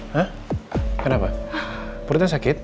hah kenapa purutnya sakit